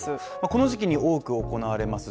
この時期に多く行われます